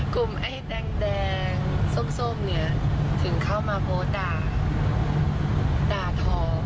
กลุ่มไอ้แดงแดงส้มส้มเนี้ยถึงเข้ามาโพสต่าด่าท้อ